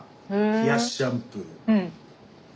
冷やしシャンプー。